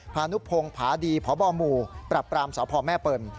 พพดีพบหมู่ปรับปรามสพแม่เปิ่ล